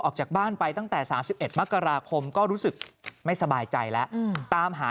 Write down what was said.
ออกจากบ้านไปตั้งแต่๓๑มกราคมก็รู้สึกไม่สบายใจแล้วตามหา